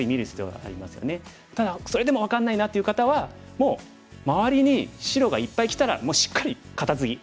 ただそれでも分かんないなっていう方はもう周りに白がいっぱいきたらもうしっかりカタツギ。